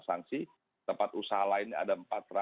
sanksi tempat usaha lainnya ada